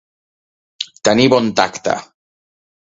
Tenir bon tacte.